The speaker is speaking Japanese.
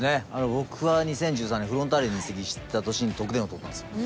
僕は２０１３年フロンターレに移籍した年に得点王取ったんですよ。